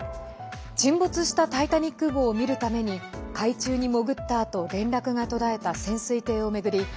沈没したタイタニック号を見るために海中に潜ったあと連絡が途絶えた潜水艇を巡り